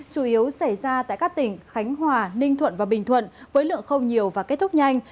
chủ yếu xảy ra tại các tỉnh khánh hòa ninh thuận và bình thuận với lượng không nhiều và kết thúc nhanh